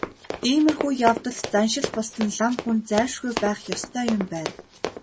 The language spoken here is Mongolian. Иймэрхүү явдалд заншил болсон лам хүн зайлшгүй байх ёстой юм байна.